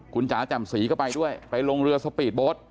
คุณจ๋าแจ่มสีก็ไปด้วยไปลงเรือสปีดโบสต์